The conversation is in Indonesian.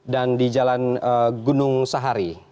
dan di jalan gunung sahari